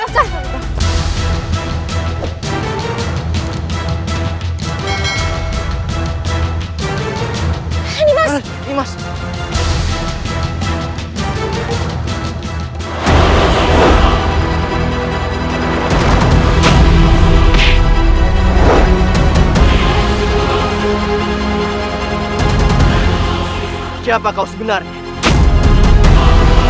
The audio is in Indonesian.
siapa kau sebenarnya